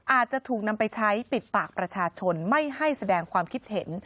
อาจจะถูกนำไปใช้ปิดปากประชาชนไม่ให้แสดงความคิดเห็น